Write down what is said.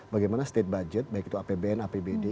bagaimana state budget baik itu apbn apbd